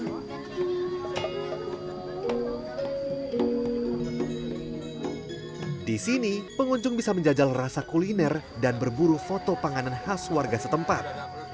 di sini pengunjung bisa menjajal rasa kuliner dan berburu foto panganan khas warga setempat